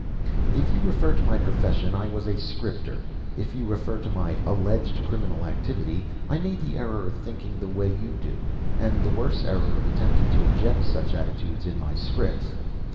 "If you refer to my profession, I was a scripter. If you refer to my alleged criminal activity, I made the error of thinking the way you do, and the worse error of attempting to inject such attitudes in my scripts.